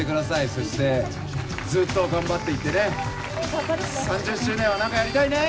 そしてずっと頑張っていってね、３０周年はなんかやりたいね。